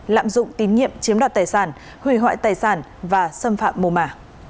lạm dụng tín nhiệm chiếm đoạt tài sản hủy hoại tài sản và xâm phạm mồ mả